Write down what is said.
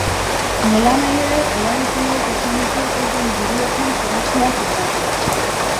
Nolanahi ere, erabiltzaileek ezin dute euren buruekin konexioak ezarri.